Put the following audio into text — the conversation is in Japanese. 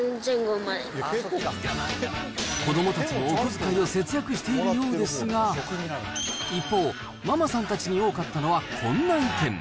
子どもたちもお小遣いを節約しているようですが、一方、ママさんたちに多かったのは、こんな意見。